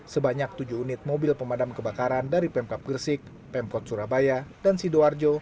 sebanyak tujuh unit mobil pemadam kebakaran dari pemkap gresik pemkot surabaya dan sidoarjo